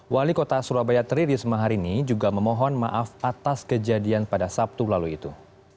wali kota surabaya tri risma hari ini juga memohon maaf atas kejadian pada sabtu lalu itu